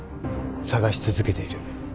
捜し続けている。